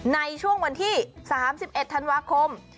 ในช่วงวันที่๓๑ธันวาคม